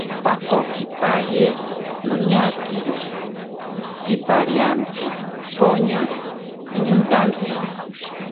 Pakokipaye noñakiro tsipariantsi poña nintantsi.